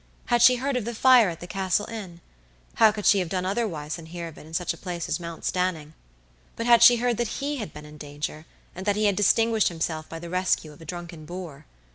Had she heard of the fire at the Castle Inn? How could she have done otherwise than hear of it in such a place as Mount Stanning? But had she heard that he had been in danger, and that he had distinguished himself by the rescue of a drunken boor?